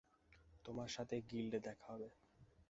তোমার সাথে গিল্ডে দেখা হবে।